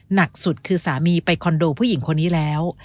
หนักสุดคือสามีไปคอนโดผู้หญิงคนนี้แล้ว